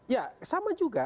ya sama juga